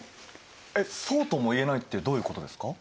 えっそうとも言えないってどういうことですか？